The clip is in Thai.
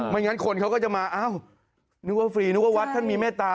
ไม่งั้นคนเขาก็จะมานึกว่าฟรีนึกว่าวัดมีเมตตา